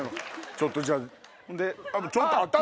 ちょっとじゃあ。